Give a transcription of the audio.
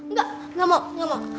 enggak enggak mau enggak mau